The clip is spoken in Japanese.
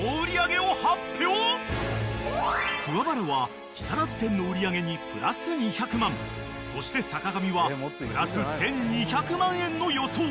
［桑原は木更津店の売り上げにプラス２００万そして坂上はプラス１，２００万円の予想］